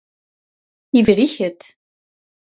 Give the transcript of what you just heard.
Ibriket.